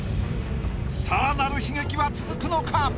さらなる悲劇は続くのか？